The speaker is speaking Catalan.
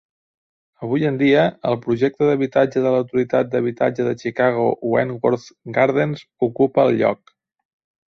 Avui en dia, el projecte d'habitatge de l'autoritat d'habitatge de Chicago Wentworth Gardens ocupa el lloc.